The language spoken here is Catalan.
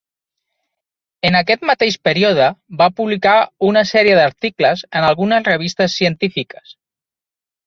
En aquest mateix període, va publicar una sèrie d'articles en algunes revistes científiques.